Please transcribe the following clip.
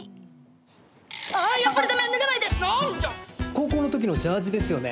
高校の時のジャージですよね？